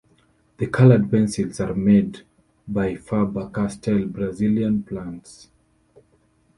The colored pencils are made by Faber-Castell Brazilian plants.